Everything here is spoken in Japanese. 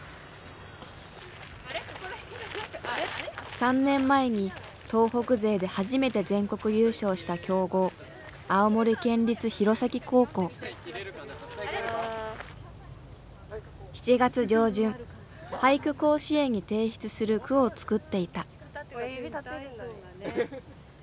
３年前に東北勢で初めて全国優勝した強豪「俳句甲子園」に提出する句を作っていた。